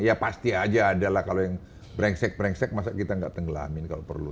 ya pasti aja adalah kalau yang brengsek brengsek masa kita nggak tenggelamin kalau perlu